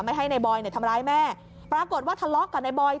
ให้นายบอยเนี่ยทำร้ายแม่ปรากฏว่าทะเลาะกับนายบอย